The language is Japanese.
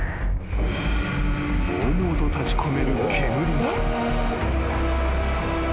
［もうもうと立ち込める煙が］